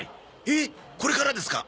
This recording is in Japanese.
えっこれからですか？